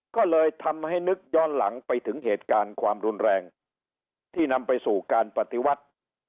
ก็เลยทำให้นึกย้อนหลังไปถึงเหตุการณ์ความรุนแรงที่นำไปสู่การปฏิวัติ